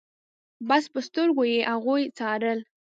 بس په سترګو يې هغوی څارل.